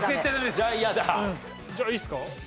じゃあいいですか？